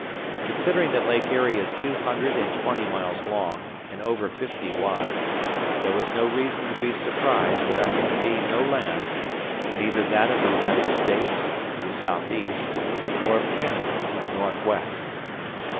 Considering that Lake Erie is two hundred and twenty miles long, and over fifty wide, there was no reason to be surprised that I could see no land, neither that of the United States to the southeast nor of Canada to the northwest.